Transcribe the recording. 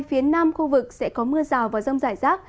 phía nam khu vực sẽ có mưa rào và rông rải rác